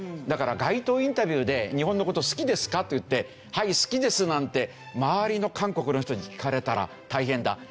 だから街頭インタビューで「日本の事好きですか？」と言って「はい好きです」なんて周りの韓国の人に聞かれたら大変だ。